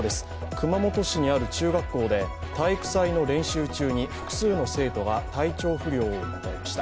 熊本市にある中学校で体育祭の練習中に複数の生徒が体調不良を訴えました。